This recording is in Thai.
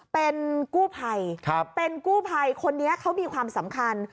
เป็นกู้ภัยเป็นกู้ภัยคนนี้เขามีความสำคัญ